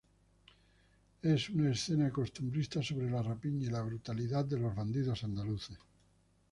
Es una escena costumbrista sobre la rapiña y brutalidad de los bandidos andaluces.